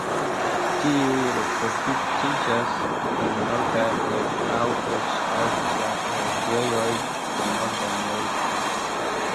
Tiuj reproduktiĝas en nordaj aŭ eĉ arktaj herbejoj de Norda Ameriko.